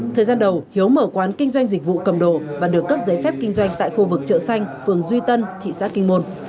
thời gian đầu hiếu mở quán kinh doanh dịch vụ cầm đồ và được cấp giấy phép kinh doanh tại khu vực chợ xanh phường duy tân thị xã kinh môn